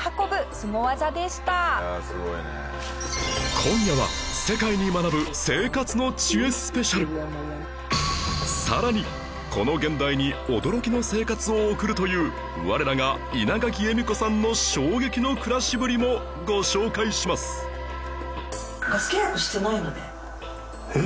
今夜はさらにこの現代に驚きの生活を送るという我らが稲垣えみ子さんの衝撃の暮らしぶりもご紹介しますえっ？